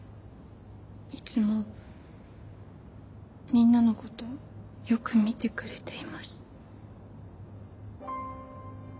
いつもみんなのことをよく見てくれています。